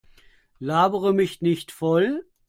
Labere mich nicht voll!